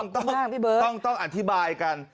ต้องต้องอรรถิบายกัน